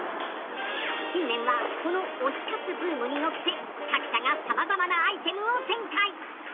近年はこの推し活ブームに乗って各社が様々なアイテムを展開。